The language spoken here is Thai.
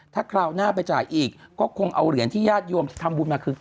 ถ้าคราวหน้าไปจ่ายอีกก็คงเอาเหรียญที่ญาติโยมจะทำบุญมาคือ